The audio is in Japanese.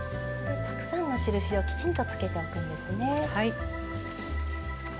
たくさんの印をきちんとつけておくんですね。